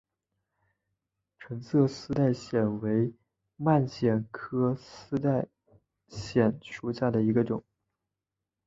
橙色丝带藓为蔓藓科丝带藓属下的一个种。